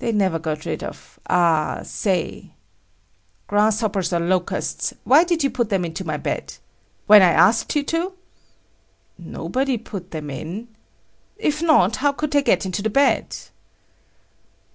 They never got rid of "A ah say." "Grasshoppers or locusts, why did you put them into my bed? When I asked you to?" "Nobody put them in." "If not, how could they get into the bed?"